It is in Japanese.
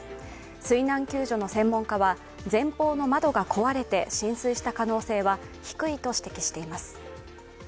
水難救助の専門家は前方の窓が壊れて浸水した可能性は低いと指摘しています。